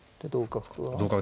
同角は？